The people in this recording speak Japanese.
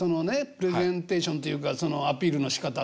プレゼンテーションというかそのアピールのしかたとか音質とか。